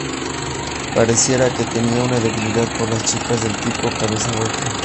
Pareciera que tiene una debilidad por las chicas del tipo ""cabeza hueca"".